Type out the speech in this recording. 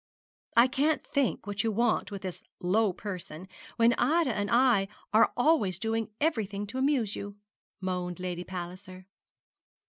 'I can't think what you can want with this low person, when Ida and I are always doing everything to amuse you,' moaned Lady Palliser.